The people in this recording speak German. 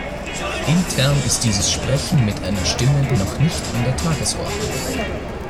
Intern ist dieses Sprechen mit einer Stimme noch nicht an der Tagesordnung.